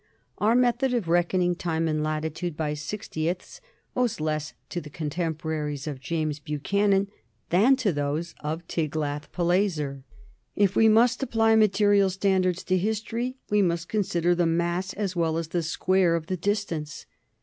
Our method of reckoning time and latitude by sixtieths owes less to the contemporaries of James Buchanan than to those of Tiglath Pileser. If we must apply material standards to history, we must consider the mass as well as the square of the distance.